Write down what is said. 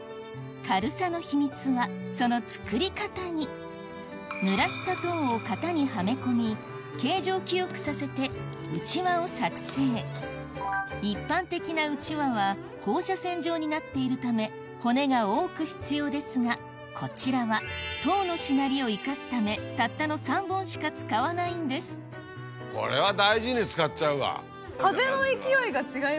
軽さの秘密はその作り方にぬらした籐を型にはめ込み形状記憶させてうちわを作製一般的なうちわは放射線状になっているため骨が多く必要ですがこちらは籐のしなりを生かすためたったの３本しか使わないんです風の勢いが違いません？